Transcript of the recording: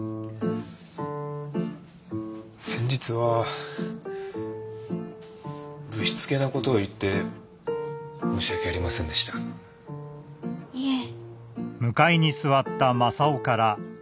先日はぶしつけな事を言って申し訳ありませんでした。いえ。